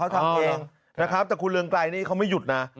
แต่ครับคุณเรืองไกลนี้เขาไม่หยุดนะ